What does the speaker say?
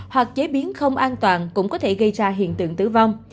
hoặc chế biến không an toàn cũng có thể gây ra hiện tượng tử vong